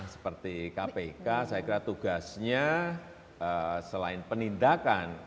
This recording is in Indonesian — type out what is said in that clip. seperti kpk saya kira tugasnya selain penindakan